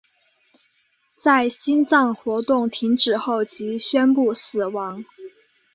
在心脏活动停止后即宣布死亡。